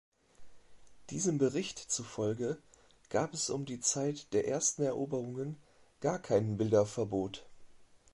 Diesem Bericht zufolge gab es um die Zeit der ersten Eroberungen gar kein Bilderverbot.